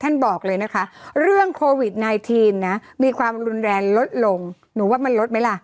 บอกเลยนะคะเรื่องโควิด๑๙นะมีความรุนแรงลดลงหนูว่ามันลดไหมล่ะ